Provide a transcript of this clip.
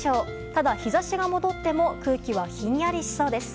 ただ、日差しが戻っても空気はひんやりしそうです。